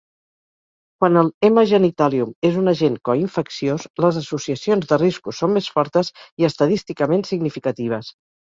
Quan el "M. genitalium" és un agent co-infecciós, les associacions de riscos són més fortes i estadísticament significatives.